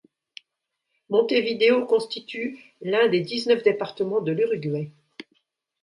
Montevideo constitue l'un des dix-neuf départements de l'Uruguay.